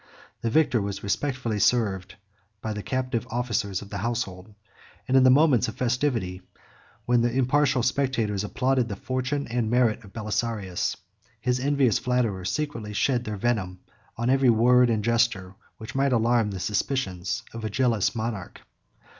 20 The victor was respectfully served by the captive officers of the household; and in the moments of festivity, when the impartial spectators applauded the fortune and merit of Belisarius, his envious flatterers secretly shed their venom on every word and gesture which might alarm the suspicions of a jealous monarch.